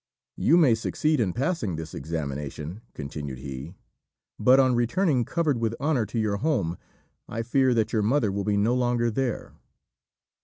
"You may succeed in passing this examination," continued he, "but on returning covered with honour to your home, I fear that your mother will be no longer there."